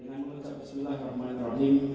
dengan mengucap bismillahirrahmanirrahim